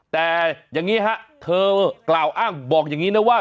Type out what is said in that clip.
แต่อย่างนี้ฮะเธอกล่าวอ้างบอกอย่างนี้นะว่า